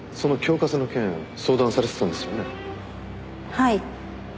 はい。